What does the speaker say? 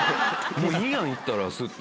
もういいやん行ったらスッと。